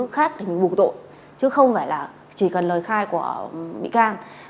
khác thì mình buộc tội chứ không phải là chỉ cần lời khai của bị can